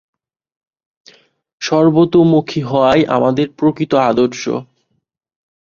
সর্বতোমুখী হওয়াই আমাদের প্রকৃত আদর্শ।